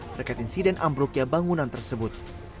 dekat insiden amruknya bangunan tersebut